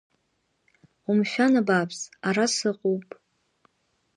Умшәан абааԥс, ара сыҟоуп…